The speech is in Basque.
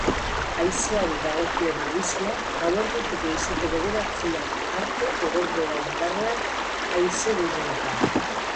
Haizeari dagokion abisua gauerditik goizeko bederatziak arte egongo da indarrean haizeguneetan.